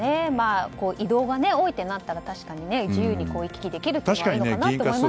移動が多いってなったら確かに自由に行き来できるほうがいいのかなと思いますね。